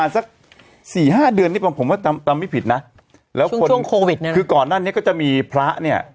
ช่วงโควิดเนี่ยคือก่อนนั้นเนี่ยก็จะมีพระเนี่ย